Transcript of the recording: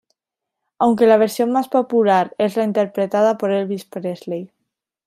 Aunque la versión más popular es la interpretada por Elvis Presley.